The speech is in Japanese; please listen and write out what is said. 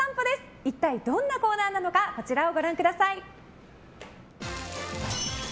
一体、どんなコーナーなのかこちらをご覧ください。